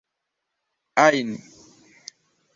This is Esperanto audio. ajn